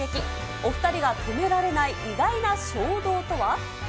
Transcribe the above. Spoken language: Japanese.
お２人が止められない意外な衝動とは。